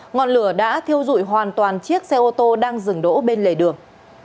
ngọn lửa đã thiêu dụi hoàn toàn chiếc xe ô tô đang dừng đỗ bên lề đường